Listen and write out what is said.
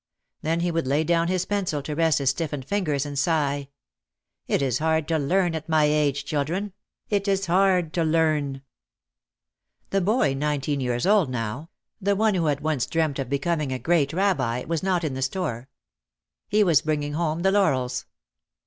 Then he would lay down his pencil to rest his stiffened fingers and sigh, "It is hard to learn at my age, children, it is hard to learn." The boy, nineteen years old now, the one who had once dreamt of becoming a great Rabbi, was not in the store. He was bringing home the laurels.